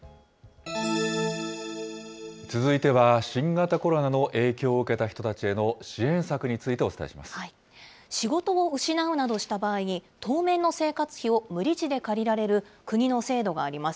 続いては、新型コロナの影響を受けた人たちへの支援策につい仕事を失うなどした場合に、当面の生活費を無利子で借りられる国の制度があります。